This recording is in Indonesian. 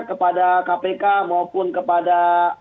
kepada kpk maupun kepada